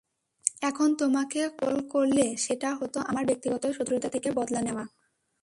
এখন তোমাকে কতল করলে সেটা হতো আমার ব্যক্তিগত শত্রুতা থেকে বদলা নেয়া।